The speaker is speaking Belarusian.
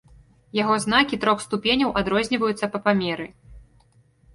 Яго знакі трох ступеняў адрозніваюцца па памеры.